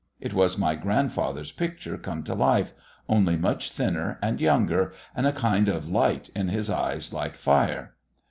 It was my grandfather's picture come to life, only much thinner and younger and a kind of light in his eyes like fire.